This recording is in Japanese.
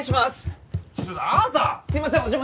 すいません。